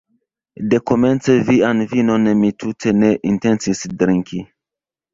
Dekomence vian vinon mi tute ne intencis drinki!